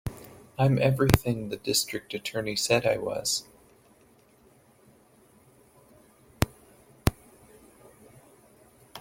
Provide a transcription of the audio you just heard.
I'm everything the District Attorney said I was.